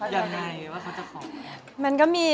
ว่ายังไงว่าเค้าจะขอ